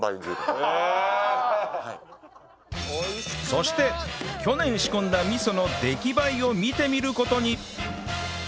そして去年仕込んだ味噌の出来栄えを見てみる事に